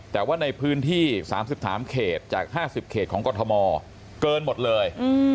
แต่ว่าในพื้นที่๓๓เขตจาก๕๐เขตของกรทมเกินหมดเลย